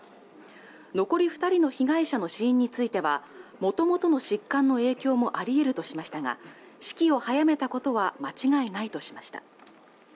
残り二人の被害者の死因についてはもともとの疾患の影響もあり得るとしましたが死期を早めたことは間違いないとしました